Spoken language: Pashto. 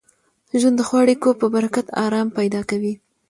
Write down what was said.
ژوند د ښو اړیکو په برکت ارام پیدا کوي.